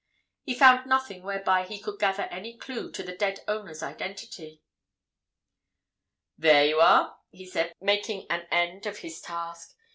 And he found nothing whereby he could gather any clue to the dead owner's identity. "There you are!" he said, making an end of his task.